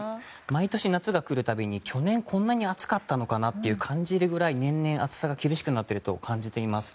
毎年夏が来るたびに去年こんなに暑かったのかなと感じるぐらい年々、暑さが厳しくなっていると感じます。